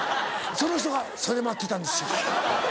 その人が「それ待ってたんですよ」。